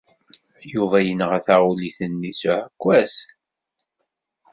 Yuba yenɣa taɣulit-nni s uɛekkaz.